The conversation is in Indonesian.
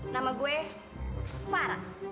nama gue farah